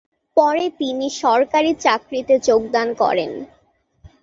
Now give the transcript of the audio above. পরে তিনি সরকারি চাকরিতে যোগদান করেন।